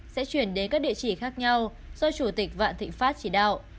sẽ chuyển đến các địa chỉ khác nhau do chủ tịch vạn thịnh pháp chỉ đạo